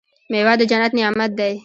میوه د جنت نعمت دی.